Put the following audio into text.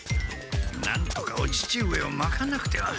なんとかお父上をまかなくては。